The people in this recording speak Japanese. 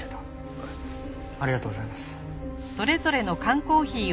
ありがとうございます。